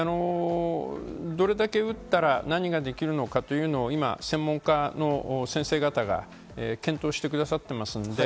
どれだけ打ったら何ができるのかというのを今、専門家の先生方が検討してくださっています。